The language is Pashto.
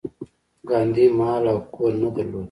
ګاندي مال او کور نه درلود.